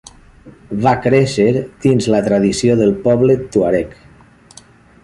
Va créixer dins la tradició del poble tuareg.